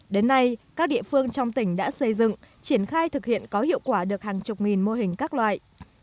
đến nay các địa phương trong tỉnh đã xây dựng triển khai thực hiện có hiệu quả được hàng chục nghìn mô hình các loại